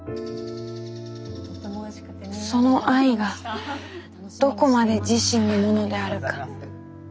その愛がどこまで自身のものであるか